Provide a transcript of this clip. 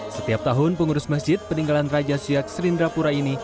setiap tahun pengurus masjid peninggalan raja syiak serindrapura ini